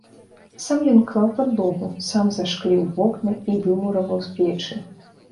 Сам ён клаў падлогу, сам зашкліў вокны і вымураваў печы.